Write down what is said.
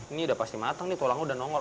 ini udah pasti matang nih tulangnya udah nongor